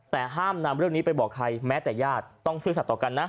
แต่ห้ามนำเรื่องนี้ไปบอกใครแม้แต่ญาติต้องซื่อสัตว์ต่อกันนะ